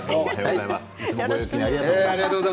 いつもご陽気な感じでありがとうございます。